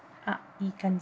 いい感じ